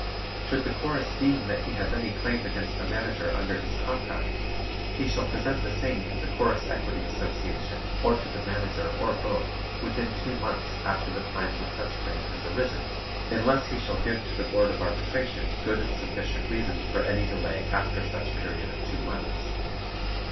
Should the Chorus deem that he has any claim against the Manager under his contract, he shall present the same to the Chorus Equity Association or to the Manager or both within two months after the time when such claim has arisen, unless he shall give to the Board of Arbitration good and sufficient reason for any delay after such period of two months.